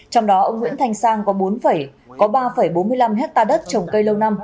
trong đó ông nguyễn thành sang có bốn phẩy có ba bốn mươi năm hecta đất trồng cây lâu năm